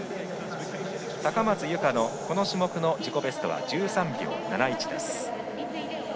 高松佑圭のこの種目の自己ベストは１３秒７１。